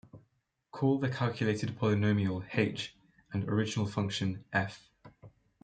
Call the calculated polynomial "H" and original function "f".